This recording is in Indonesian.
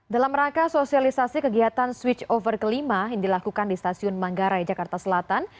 dalam rangka sosialisasi kegiatan switch over kelima yang dilakukan di stasiun manggarai jakarta selatan